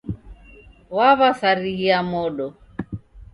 Waw'asarighia mondo.